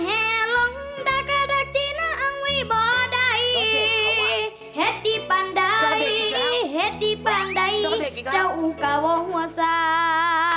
เฮดดีปันไดเฮดดีปันไดเจ้าอุกาวะหัวซา